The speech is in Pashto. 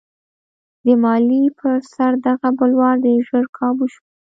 د مالیې پر سر دغه بلوا ډېر ژر کابو شوه.